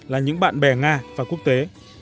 là những bạn bè nga và quốc tế